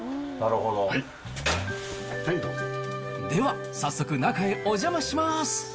では早速、中へお邪魔します。